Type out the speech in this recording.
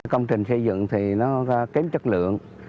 công trình xây dựng thì nó kém chất lượng